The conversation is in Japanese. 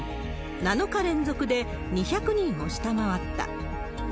７日連続で２００人を下回った。